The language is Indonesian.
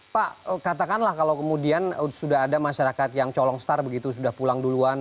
pak katakanlah kalau kemudian sudah ada masyarakat yang colong star begitu sudah pulang duluan